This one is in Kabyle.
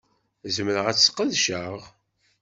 Zemreɣ ad tt-sqedceɣ?